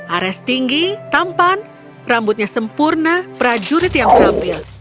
ares tinggi tampan rambutnya sempurna prajurit yang tampil